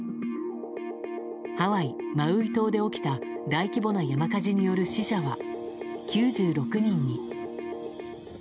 ハワイ・マウイ島で起きた大規模な山火事による死者は９６人に。